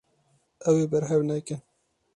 Ew ê berhev nekin.